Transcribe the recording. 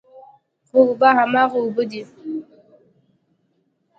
خو اوبه هماغه اوبه دي.